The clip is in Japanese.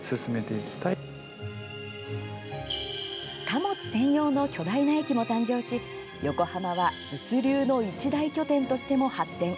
貨物専用の巨大な駅も誕生し横浜は物流の一大拠点としても発展。